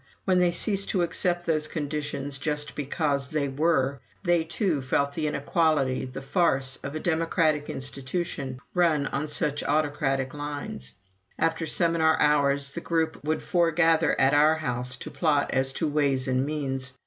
When they ceased to accept those conditions just because they were, they, too, felt the inequality, the farce, of a democratic institution run on such autocratic lines. After seminar hours the group would foregather at our house to plot as to ways and means.